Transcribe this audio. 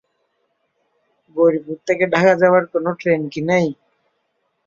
গৌরীপুর থেকে ঢাকা যাবার কোনো ট্রেন কি নেই?